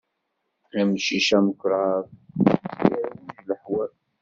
Amcic amakṛaḍ, isgerwij leḥwal.